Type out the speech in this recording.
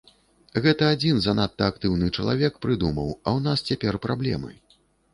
Гэта адзін занадта актыўны чалавек прыдумаў, а ў нас цяпер праблемы.